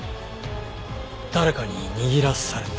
誰かに握らされた。